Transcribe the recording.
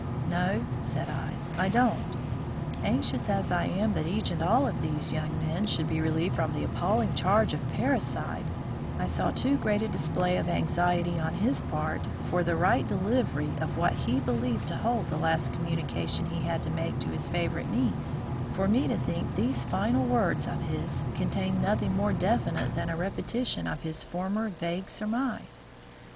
"No," said I, "I don't. Anxious as I am that each and all of these young men should be relieved from the appalling charge of parricide, I saw too great a display of anxiety on his part for the right delivery of what he believed to hold the last communication he had to make to his favourite niece, for me to think these final words of his contained nothing more definite than a repetition of his former vague surmise.